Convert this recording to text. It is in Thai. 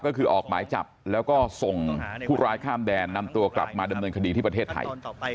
ก็คือออกหมายจับแล้วก็ส่งผู้ร้ายข้ามแดนนำตัวกลับมาดำเนินคดีที่ประเทศไทย